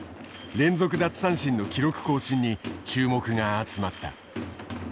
連続奪三振の記録更新に注目が集まった。